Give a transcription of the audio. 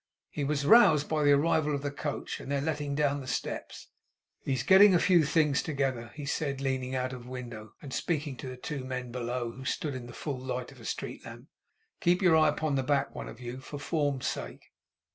He was roused by the arrival of the coach, and their letting down the steps. 'He's getting a few things together,' he said, leaning out of window, and speaking to the two men below, who stood in the full light of a street lamp. 'Keep your eye upon the back, one of you, for form's sake.